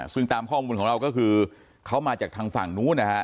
ซึ่งตามข้อมูลของเราก็คือเขามาจากทางฝั่งนู้นนะฮะ